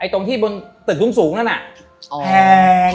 ตรงที่บนตึกสูงนั่นน่ะแพง